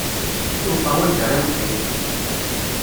Yuqa wanda ara neqqim!